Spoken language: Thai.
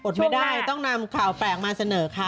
ไม่ได้ต้องนำข่าวแปลกมาเสนอค่ะ